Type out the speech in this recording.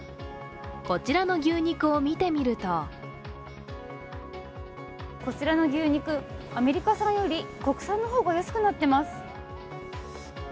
こちらの牛肉を見てみるとこちらの牛肉、アメリカ産より国産の方が安くなってます。